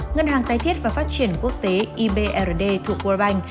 ngân hàng tái thiết và phát triển quốc tế ibrd thuộc world bank